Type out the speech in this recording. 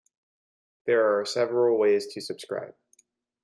There are several ways to subscribe.